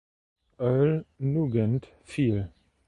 Earl Nugent fiel.